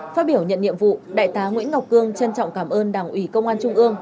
phát biểu nhận nhiệm vụ đại tá nguyễn ngọc cương trân trọng cảm ơn đảng ủy công an trung ương